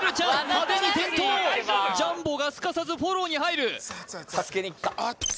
派手に転倒ジャンボがすかさずフォローに入る熱い熱いアッツ！